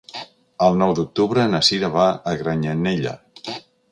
El nou d'octubre na Sira va a Granyanella.